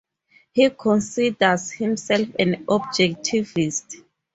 He considers himself an Objectivist.